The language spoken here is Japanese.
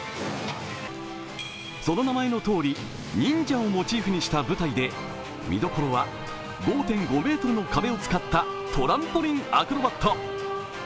その名前のとおり、忍者をモチーフにした舞台で、見どころは５．５ｍの壁を使ったトランポリンアクロバット。